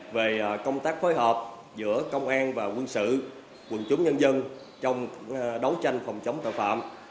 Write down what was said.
về công tác phối hợp giữa công an và quân sự quân chúng nhân dân trong đấu tranh phòng chống tội phạm